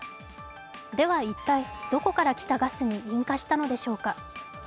では一体、どこから来たガスに引火したのでしょうか。